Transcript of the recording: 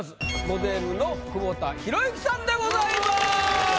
モデルの久保田裕之さんでございます。